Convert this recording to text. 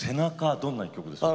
どんな一曲ですか？